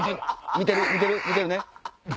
見てるね？